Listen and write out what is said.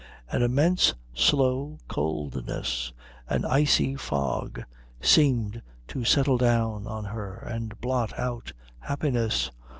An immense slow coldness, an icy fog, seemed to settle down on her and blot out happiness.